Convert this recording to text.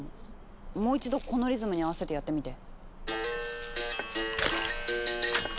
もう一度このリズムに合わせてやってみて。